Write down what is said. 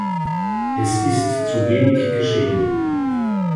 Es ist zuwenig geschehen.